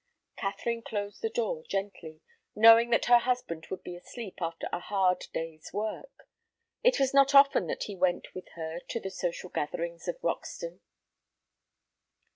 Catherine closed the door gently, knowing that her husband would be asleep after a hard day's work. It was not often that he went with her to the social gatherings of Roxton.